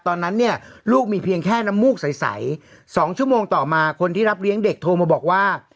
ตอนนั้นเนี่ยลูกมีเพียงแค่น้ำมูกใส๒ชั่วโมงต่อมาคนที่รับเลี้ยงเด็กโทรมาบอกว่า